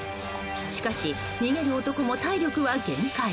しかし、逃げる男も体力は限界。